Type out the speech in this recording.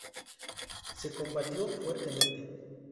Se combatió fuertemente.